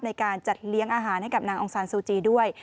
ในการจัดเลี้ยงอาหารให้กับนางองซานซูจีด้วย